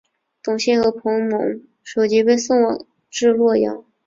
董宪和庞萌首级被送至洛阳。